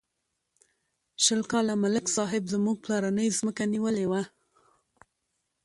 شل کاله ملک صاحب زموږ پلرنۍ ځمکه نیولې وه.